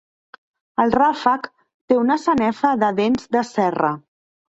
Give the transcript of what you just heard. El ràfec té una sanefa de dents de serra.